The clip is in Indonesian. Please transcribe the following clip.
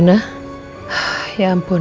tapi w abdul